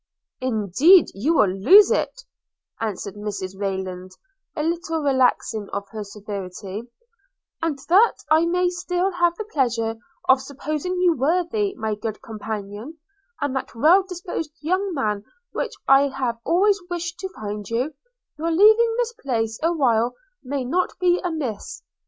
'Indeed you will lose it,' answered Mrs Rayland, a little relaxing of her severity; – 'and that I may still have the pleasure of supposing you worthy my good opinion, and that well disposed young man which I have always wished to find you, your leaving this place awhile may not be amiss.